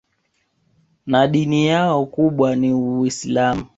Na dini yao kubwa ni Uislamu